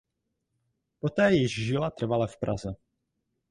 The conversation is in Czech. Poté již žila trvale v Praze.